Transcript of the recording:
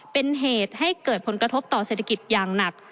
เป็นเหตุให้เกิดผลกระทบต่อเศรษฐกิจอย่างหนัก